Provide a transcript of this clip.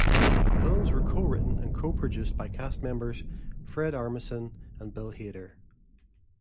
The films were co-written and co-produced by cast-members Fred Armisen and Bill Hader.